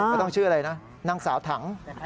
ก็ต้องชื่ออะไรนะนางสาวถัง